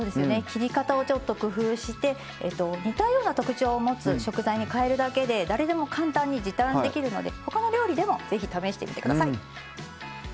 切り方をちょっと工夫して似たような食材に変えるだけで誰でも簡単に時短できるのでほかの料理でも試してみてください。